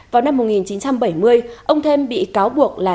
vào năm một nghìn chín trăm bảy mươi ông thêm bị cáo buộc là